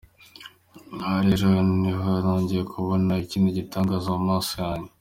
Aha rero niho nongeye kubona ikindi gitangaza mu maso yanjye.